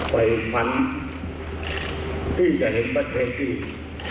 ไปฝันที่จะเห็นประเทศกิจ